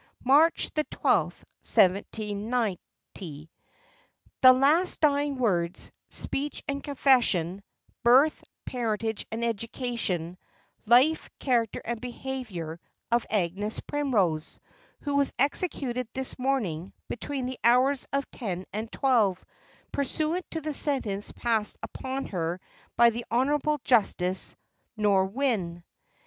"March the 12th, 179 "The last dying words, speech, and confession; birth, parentage, and education; life, character, and behaviour, of Agnes Primrose, who was executed this morning, between the hours of ten and twelve, pursuant to the sentence passed upon her by the Honourable Justice Norwynne.